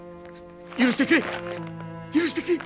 許してくれ許してくれ！